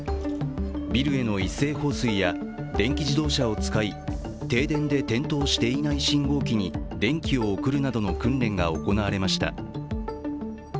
ビルへの一斉放水や電気自動車を使い停電で点灯していない信号機に電気を送るなどの訓練が行われました。